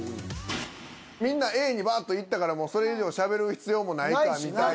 みんなＡにバッといったからそれ以上しゃべる必要もないかみたいな。